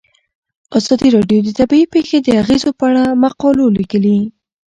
ازادي راډیو د طبیعي پېښې د اغیزو په اړه مقالو لیکلي.